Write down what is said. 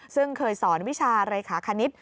ซึ่งเคยสอนวิชาเลขาคณิต